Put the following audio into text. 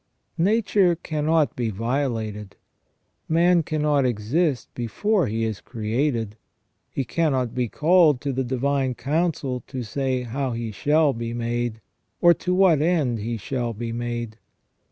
Nature cannot be violated. Man cannot exist before he is created ; he cannot be called to the divine council to say how he shall be made, or to what end he shall be made.